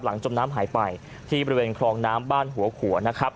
จมน้ำหายไปที่บริเวณครองน้ำบ้านหัวขัวนะครับ